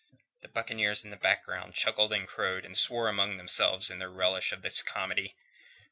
The buccaneers in the background chuckled and crowed and swore among themselves in their relish of this comedy.